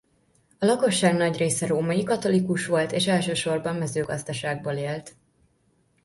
A lakosság nagy része római katolikus volt és elsősorban mezőgazdaságból élt.